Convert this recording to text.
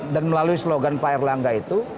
dan melalui slogan pak erlangga itu